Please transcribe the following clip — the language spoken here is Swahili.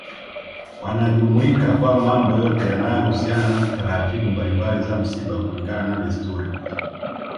Wanajumuika kwa mambo yote yanayo husiana na taratibu mbalimbali za msiba kulingana na desturi